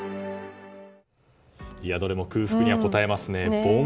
どれも空腹にはこたえますね。